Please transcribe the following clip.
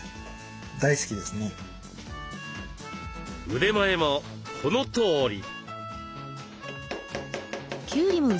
腕前もこのとおり。